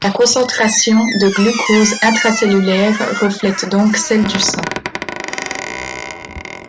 La concentration de glucose intracellulaire reflète donc celle du sang.